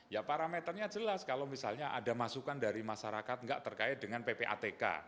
ya parameternya jelas kalau misalnya ada masukan dari masyarakat nggak terkait dengan ppatk